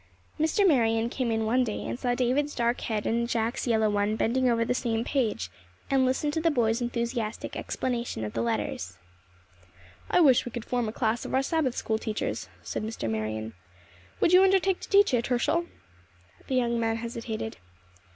Mr. Marion came in one day and saw David's dark head and Jack's yellow one bending over the same page, and listened to the boy's enthusiastic explanation of the letters. "I wish we could form a class of our Sabbath school teachers," said Mr. Marion. "Would you undertake to teach it, Herschel?" The young man hesitated.